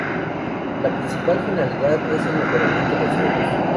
La principal finalidad es el mejoramiento de suelos.